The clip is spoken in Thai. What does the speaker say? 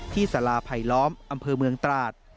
ที่ศาลาภัยล้อมอำเภอเมืองตราธิ์